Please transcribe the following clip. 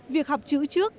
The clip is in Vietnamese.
việc học chữ trước